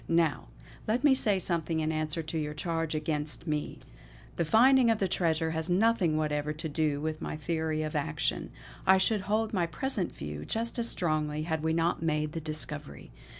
Now, let me say something in answer to your charge against me. The finding of the treasure has nothing whatever to do with my theory of action; I should hold my present view just as strongly had we not made the discovery.